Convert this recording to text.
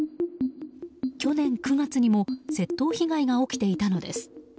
去年９月にも窃盗被害が起きていたのです。